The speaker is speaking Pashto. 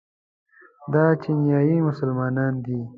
دا چیچنیایي مسلمانان دي.